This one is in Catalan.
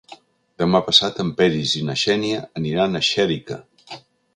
Demà passat en Peris i na Xènia aniran a Xèrica.